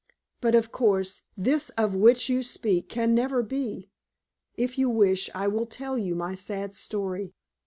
But, of course, this of which you speak can never be. If you wish, I will tell you my sad story."